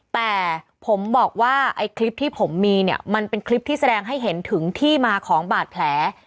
แต่ผมบอกว่าไอ้คลิปที่ผมมีเนี่ยมันเป็นคลิปที่แสดงให้เห็นถึงที่มาของบาดแผล